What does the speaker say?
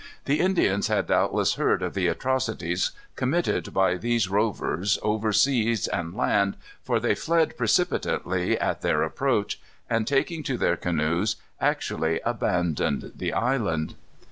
The Indians had doubtless heard of the atrocities committed by these rovers over seas and land, for they fled precipitally at their approach, and taking to their canoes, actually abandoned the island.